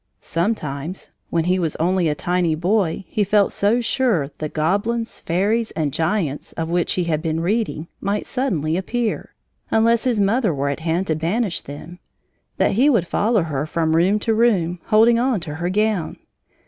Sometimes, when he was only a tiny boy, he felt so sure the goblins, fairies, and giants of which he had been reading might suddenly appear, unless his mother were at hand to banish them, that he would follow her from room to room, holding on to her gown.